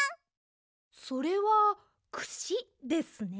それはクシですね。